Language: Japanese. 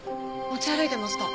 持ち歩いてました。